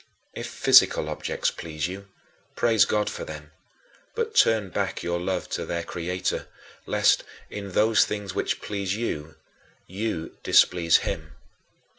If physical objects please you, praise God for them, but turn back your love to their Creator, lest, in those things which please you, you displease him.